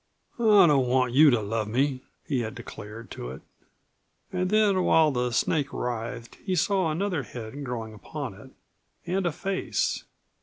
"I don't want you to love me!" he had declared to it. And then while the snake writhed he saw another head growing upon it, and a face.